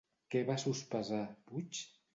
Què va sospesar Puig?